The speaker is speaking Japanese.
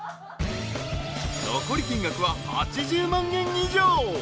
［残り金額は８０万円以上］